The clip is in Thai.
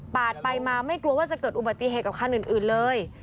ไปมาไม่กลัวว่าจะเกิดอุบัติเหตุกับคันอื่นเลย